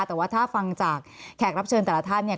แต่ว่าถ้าฟังจากแขกรับเชิญแต่ละท่านเนี่ย